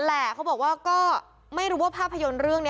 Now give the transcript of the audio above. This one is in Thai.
แหละเขาบอกว่าก็ไม่รู้ว่าภาพยนตร์เรื่องนี้